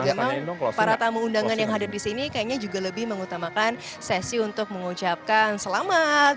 karena para tamu undangan yang hadir di sini kayaknya juga lebih mengutamakan sesi untuk mengucapkan selamat